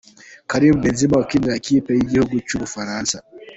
Karim Benzema ukinira ikipe y’igihugu cy’Ubufaransa.